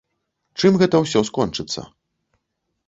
Чым гэта ўсё скончыцца?